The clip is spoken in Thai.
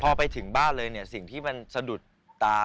พอไปถึงบ้านเลยเนี่ยสิ่งที่มันสะดุดตา